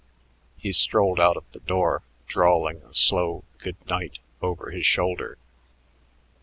He strolled out of the door, drawling a slow "good night" over his shoulder.